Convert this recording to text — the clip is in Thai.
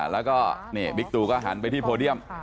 แล้วก็นี่บิ๊กตูก็หันไปที่โพเดียม